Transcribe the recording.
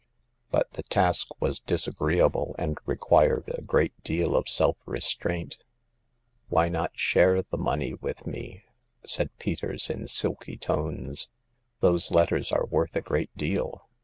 But the task was disagreeable, and required a great deal of self restraint. Why not share the money with me?" said Peters, in silky tones ;" those letters are worth a great deal.